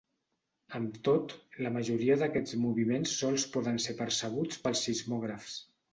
Amb tot, la majoria d'aquests moviments sols poden ser percebuts pels sismògrafs.